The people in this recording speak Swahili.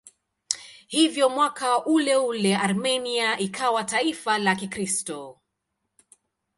Hivyo mwaka uleule Armenia ikawa taifa la Kikristo.